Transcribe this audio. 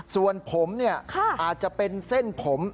ส่วนผมเนี่ยอาจจะเป็นเส้นผม